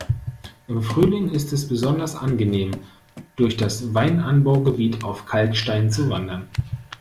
Im Frühling ist es besonders angenehm durch das Weinanbaugebiet auf Kalkstein zu wandern.